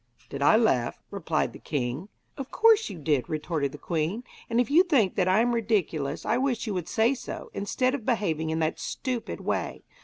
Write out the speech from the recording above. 'Did I laugh?' replied the king. 'Of course you did,' retorted the queen; 'and if you think that I am ridiculous I wish you would say so, instead of behaving in that stupid way!